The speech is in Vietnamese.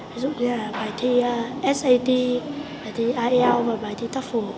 ví dụ như là bài thi sat bài thi ielts và bài thi tafu